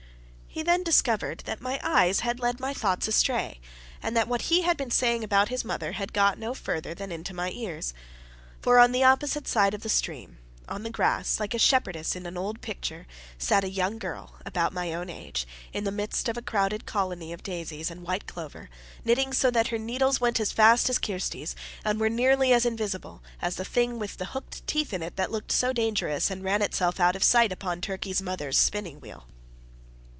He then discovered that my eyes had led my thoughts astray, and that what he had been saying about his mother had got no farther than into my ears. For on the opposite side of the stream, on the grass, like a shepherdess in an old picture, sat a young girl, about my own age, in the midst of a crowded colony of daisies and white clover, knitting so that her needles went as fast as Kirsty's, and were nearly as invisible as the thing with the hooked teeth in it that looked so dangerous and ran itself out of sight upon Turkey's mother's spinning wheel.